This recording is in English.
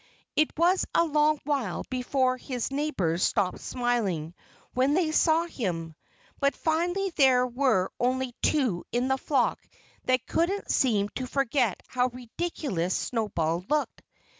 It was a long while before his neighbors stopped smiling when they saw him. But finally there were only two in the flock that couldn't seem to forget how ridiculous Snowball looked.